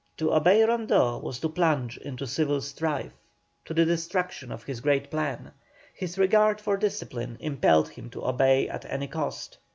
To obey Rondeau was to plunge into civil strife, to the destruction of his great plan; his regard for discipline impelled him to obey at any cost.